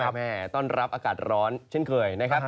แม่ต้อนรับอากาศร้อนเช่นเคยนะครับ